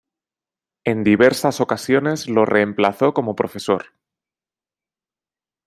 En diversas ocasiones lo reemplazó como profesor.